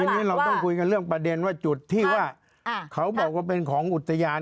อันนี้เราต้องคุยกันเรื่องประเด็นว่าจุดที่ว่าเขาบอกว่าเป็นของอุทยาน